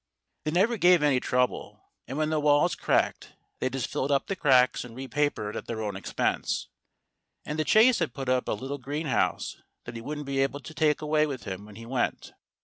They never gave any trouble; and when the walls cracked they just filled up the cracks and re papered at their own expense. And The Chase had put up a little greenhouse, that he wouldn't be able to take away with him when he went.